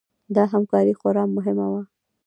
دا همکاري خورا مهمه وه.